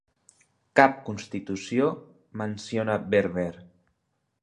Cap constitució menciona Berber.